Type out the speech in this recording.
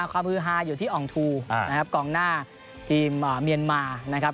ความฮือฮาอยู่ที่อองทูนะครับกองหน้าทีมเมียนมานะครับ